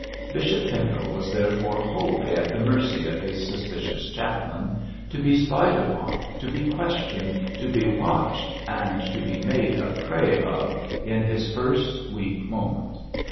Bishop Pendle was therefore wholly at the mercy of his suspicious chaplain, to be spied upon, to be questioned, to be watched, and to be made a prey of in his first weak moment.